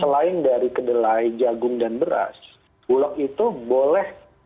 selain dari kedelai jagung dan beras bulok itu boleh kan stabilisasi